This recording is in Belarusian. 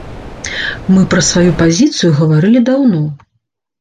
Мы пра сваю пазіцыю гаварылі даўно.